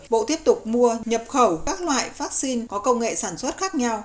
bộ tiếp tục mua nhập khẩu các loại vaccine có công nghệ sản xuất khác nhau